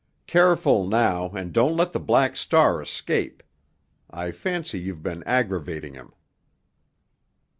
Careful, now, and don't let the Black Star escape. I fancy you've been aggravating him."